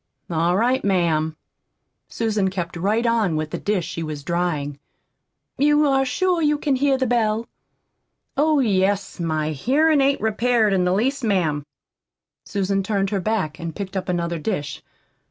"All right, ma'am." Susan kept right on with the dish she was drying. "You are sure you can hear the bell?" "Oh, yes, my hearin' ain't repaired in the least, ma'am." Susan turned her back and picked up another dish.